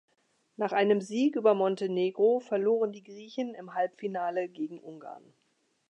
Nach einem Sieg über Montenegro verloren die Griechen im Halbfinale gegen Ungarn.